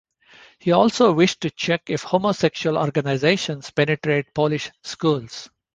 He also wished to check if homosexual organisations penetrate Polish schools.